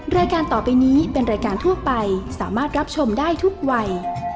รายการต่อไปนี้เป็นรายการทั่วไปสามารถรับชมได้ทุกวัย